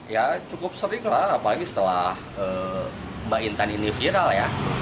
ya cukup sering lah apalagi setelah mbak intan ini viral ya